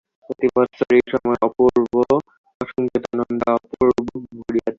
প্রতি বৎসর এই সময় অপূর্ব অসংযত আনন্দে অপুর বুক ভরিয়া তোলে।